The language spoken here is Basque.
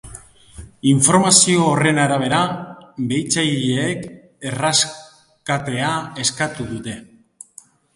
Informazio horren arabera, bahitzaileek erreskatea eskatu dute.